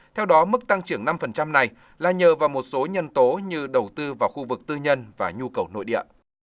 theo đó mức tăng trưởng năm này là nhờ vào một số nhân tố như đầu tư vào khu vực tư nhân và nhu cầu nội địa